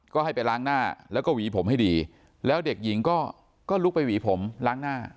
ก็ให้ไปล้างหน้าแล้วก็หวีผมให้ดีแล้วเด็กหญิงก็ลุกไปหวีผมล้างหน้า